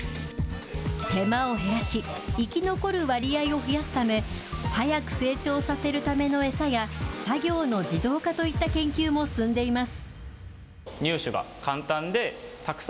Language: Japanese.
手間を減らし、生き残る割合を増やすため、早く成長させるための餌や、作業の自動化といった研究も進んでいます。